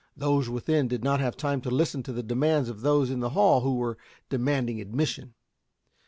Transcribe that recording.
Those within did not have time to listen to the demands of those in the hall, who were demanding admission.